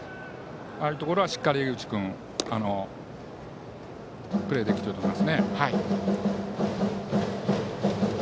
ああいうところはしっかり江口君プレーできてると思いますね。